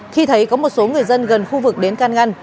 khi thấy có một số người dân gần khu vực đến can ngăn